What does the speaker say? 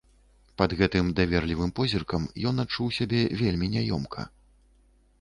Пад гэтым даверлівым позіркам ён адчуў сябе вельмі няёмка.